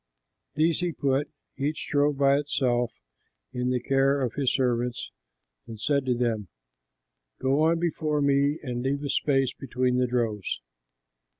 These he put, each drove by itself, in the care of his servants and said to them, "Go on before me and leave a space between the droves."